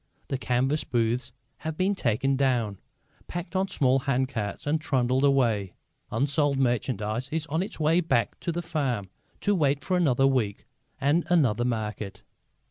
The canvas booths have been taken down, packed on small handcarts and trundled away; unsold merchandise is on its way back to the farm to wait for another week and another market.